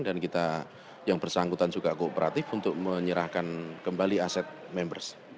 dan kita yang bersangkutan juga kooperatif untuk menyerahkan kembali aset members